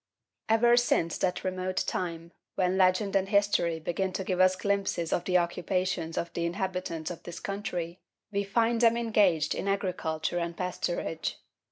Ever since that remote time when legend and history begin to give us glimpses of the occupations of the inhabitants of this country, we find them engaged in Agriculture and Pasturage.